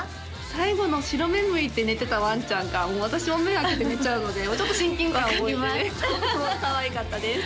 最後の白目むいて寝てたワンちゃんが私も目開けて寝ちゃうのでちょっと親近感を覚えて分かります